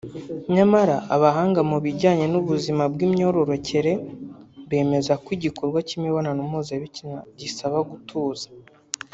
nyamara abahanga mu bijyanye n’ubuzima bw’imyororokere bemeza ko igikorwa kimibonano mpuzabitsina gisaba gutuza